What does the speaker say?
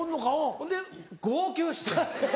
ほんで号泣して。